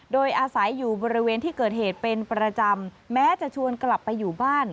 โดยอาศัยอยู่บริเวณที่เกิดเหตุเป็นประจำแม้จะชวนกลับไปอยู่บ้าน